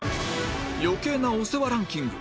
余計なお世話ランキング